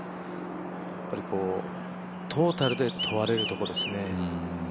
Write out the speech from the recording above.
トータルで問われるところですね。